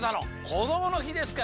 こどもの日ですから。